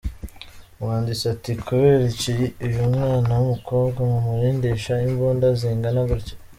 Umwanditsi ati : Kubera iki uyu mwana w’umukobwa mumurindisha imbunda zingana gutya ?.